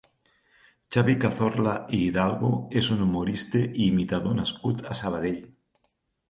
Xavi Cazorla i Hidalgo és un humorista i imitador nascut a Sabadell.